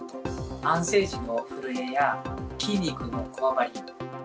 安静時の震えや筋肉のこわばり。